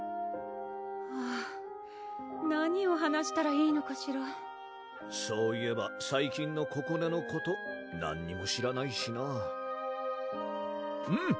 はぁ何を話したらいいのかしらそういえば最近のここねのこと何にも知らないしなぁうん！